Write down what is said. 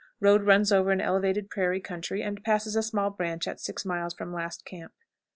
Road runs over an elevated prairie country, and passes a small branch at six miles from last camp. 5 3/4.